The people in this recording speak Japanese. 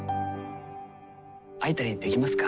会えたりできますか？